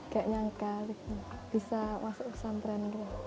gak nyangka bisa masuk ke santriahnya dulu